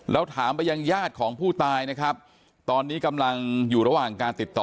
แล้วถามไปยังญาติของผู้ตายนะครับตอนนี้กำลังอยู่ระหว่างการติดต่อ